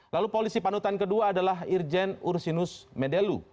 lalu polisi panutan kedua adalah irjen ursinus medelu